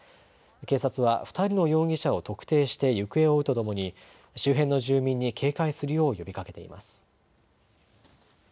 警察は２人の容疑者を特定して行方を追うとともに周辺の住民に警戒するよう呼びかけています。